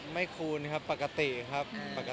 ไม่คูณครับปกติครับ